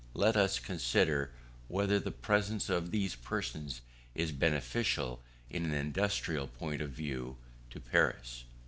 Let us consider whether the presence of these persons is beneficial, in an industrial point of view, to Paris.